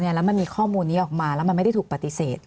แล้วมันมีข้อมูลนี้ออกมาแล้วมันไม่ได้ถูกปฏิเสธ